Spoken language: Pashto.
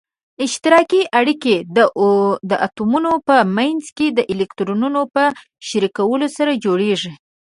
اشتراکي اړیکه د اتومونو په منځ کې د الکترونونو په شریکولو سره جوړیږي.